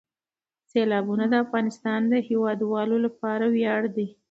سیلابونه د افغانستان د هیوادوالو لپاره ویاړ دی.